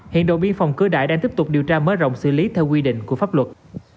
hiện đội biên phòng cửa đại đang tiếp tục điều tra mở rộng xử lý theo quy định của pháp luật